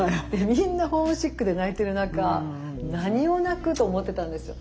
みんなホームシックで泣いてる中「何を泣く？」と思ってたんですよ。